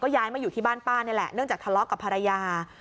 ย้ายมาอยู่ที่บ้านป้านี่แหละเนื่องจากทะเลาะกับภรรยา